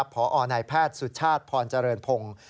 พอนายแพทย์สุชาติพรเจริญพงศ์